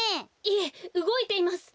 いえうごいています。